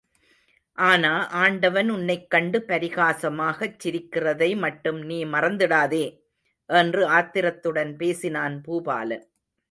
ஆனா, ஆண்டவன் உன்னைக் கண்டு பரிகாசமாகச் சிரிக்கிறதை மட்டும் நீ மறந்திடாதே...? என்று ஆத்திரத்துடன் பேசினான் பூபாலன்.